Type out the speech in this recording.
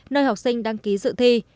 nơi học sinh đăng ký dự thi